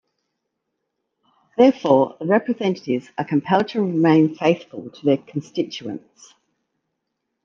Therefore, the representatives are compelled to remain faithful to their constituents.